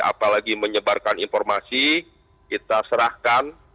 apalagi menyebarkan informasi kita serahkan